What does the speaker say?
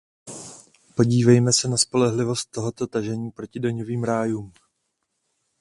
Podívejme se na spolehlivost tohoto tažení proti daňovým rájům.